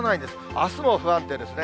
あすも不安定ですね。